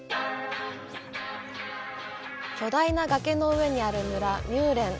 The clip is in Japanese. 巨大な崖の上にある村、ミューレン。